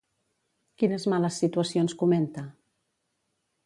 Quines males situacions comenta?